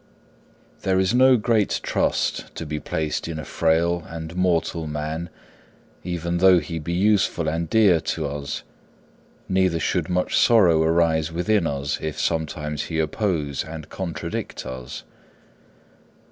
3. There is no great trust to be placed in a frail and mortal man, even though he be useful and dear to us, neither should much sorrow arise within us if sometimes he oppose and contradict us.